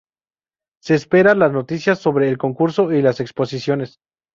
Se esperan las noticias sobre el Concurso y las exposiciones.